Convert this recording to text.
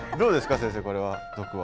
先生これは毒は？